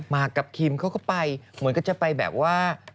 กับคิมเขาก็ไปเหมือนกันจะไปแบบว่า